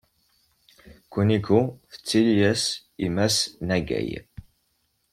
Kuniko tettili-as i Mass Nagai.